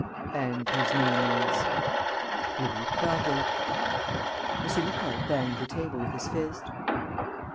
"And whose name is?" "Louis Prasville." M. Nicole banged the table with his fist.